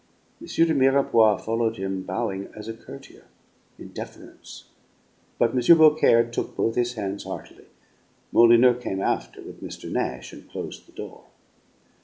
M. de Mirepoix followed him, bowing as a courtier, in deference; but M. Beaucaire took both his hands heartily. Molyneux came after, with Mr. Nash, and closed the door.